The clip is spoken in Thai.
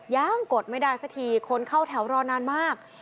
กดไม่ได้สักทีคนเข้าแถวรอนานมาก